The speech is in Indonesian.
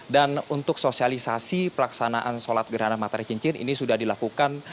dan untuk sosialisasi pelaksanaan sholat gerhana matahari cincin ini sudah dilakukan